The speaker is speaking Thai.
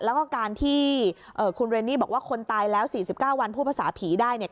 แล้วก็การที่คุณเรนนี่บอกว่าคนตายแล้ว๔๙วันพูดภาษาผีได้เนี่ย